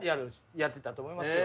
やってたと思いますよ。